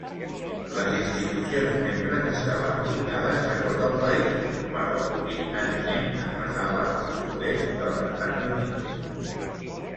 Les institucions membres estaven ubicades a tot el país, però originàriament es basava al sud-est dels Estats Units.